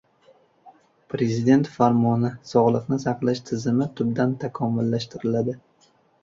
Prezident Farmoni: Sog‘liqni saqlash tizimi tubdan takomillashtiriladi